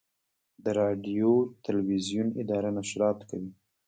د راډیو تلویزیون اداره نشرات کوي